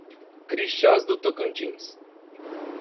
Crixás do Tocantins